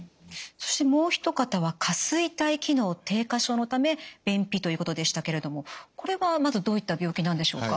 そしてもう一方は下垂体機能低下症のため便秘ということでしたけれどもこれはまずどういった病気なんでしょうか？